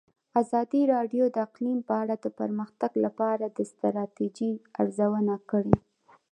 ازادي راډیو د اقلیم په اړه د پرمختګ لپاره د ستراتیژۍ ارزونه کړې.